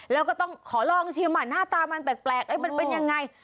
แล้วก็ต้องขอลองชิมหน้าตามันแปลกมันเป็นยังไง